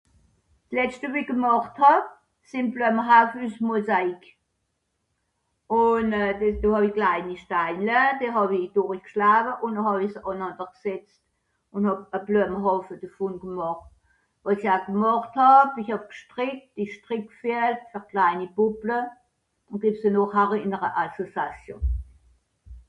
mosaique tricot